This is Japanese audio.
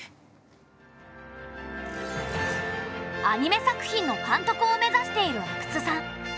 アニメ作品の監督を目指している阿久津さん。